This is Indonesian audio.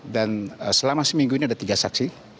dan selama seminggu ini ada tiga saksi